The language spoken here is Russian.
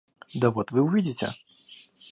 Да вот вы увидите.